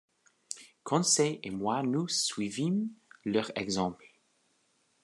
Conseil et moi nous suivîmes leur exemple.